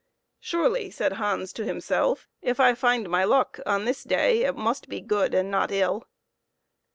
"Surely," said Hans to himself, "if I find my luck on this day, it must be good and not ill."